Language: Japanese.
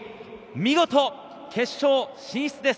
見事決勝進出です。